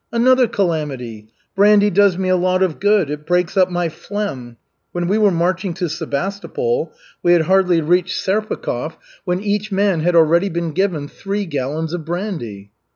"Another calamity. Brandy does me a lot of good. It breaks up my phlegm. When we were marching to Sebastopol, we had hardly reached Serpukhov, when each man had already been given three gallons of brandy."